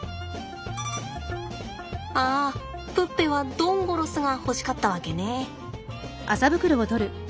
ああプッペはドンゴロスが欲しかったわけね。